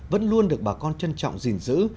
vẫn luôn được bà con trân trọng gìn giữ